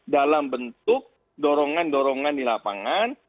dalam bentuk dorongan dorongan di lapangan